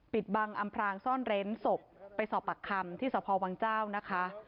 ปิดบังอำพรางซ่อนเร้นศพไปสอบปากคำที่สพวังเจ้านะคะ